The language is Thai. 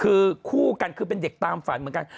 คือคู่กันคือเป็นเด็กตามฝันเหมือนกัน